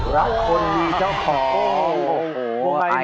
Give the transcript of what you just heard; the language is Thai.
รักคนมีเจ้าของ